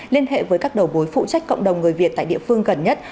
liên hệ với các đầu bối phụ trách cộng đồng người việt tại địa phương gần nhất